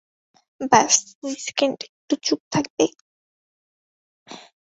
ব্যস দুই সেকেন্ড একটু চুপ থাকবে?